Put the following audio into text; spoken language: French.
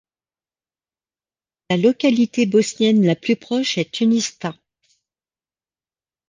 La localité bosnienne la plus proche est Uništa.